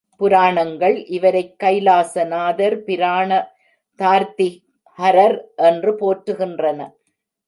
புராணங்கள் இவரைக் கைலாச நாதர் பிரணதார்த்தி ஹரர் என்று போற்றுகின்றன.